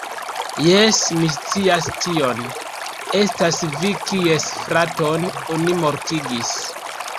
Jes, mi scias tion. Estas vi kies fraton oni mortigis